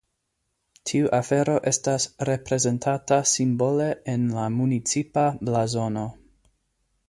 Tiu afero estas reprezentata simbole en la municipa blazono.